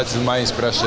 itu inspirasi saya